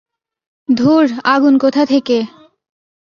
ধুর, আগুন কোথা থেকে?